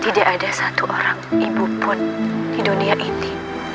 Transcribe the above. tidak ada satu orang ibu pun di dunia ini